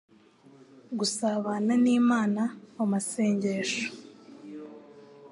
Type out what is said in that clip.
Gusabana n'Imana mu masengesho,